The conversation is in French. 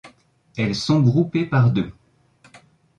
Elles sont groupées par deux.